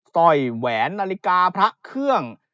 สร้อยแหวนนาฬิกาพระเครื่อง